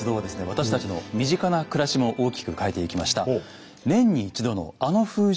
私たちの身近な暮らしも大きく変えていきました。